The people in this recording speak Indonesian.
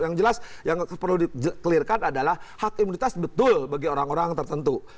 yang jelas yang perlu di clearkan adalah hak imunitas betul bagi orang orang tertentu